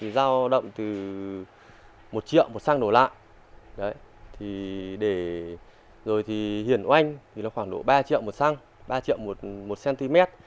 giao động từ một triệu một xăng đổ lạ rồi thì hiển oanh thì khoảng độ ba triệu một xăng ba triệu một cm